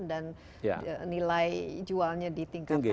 dan nilai jualnya ditingkatkan